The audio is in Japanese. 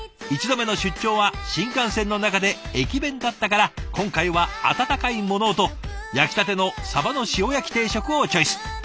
１度目の出張は新幹線の中で駅弁だったから今回は温かいものをと焼きたてのサバの塩焼き定食をチョイス。